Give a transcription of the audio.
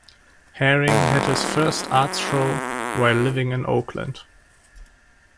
Haring had his first art show while living in Oakland.